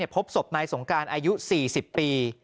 พบศพนายสงการอายุ๔๐ปี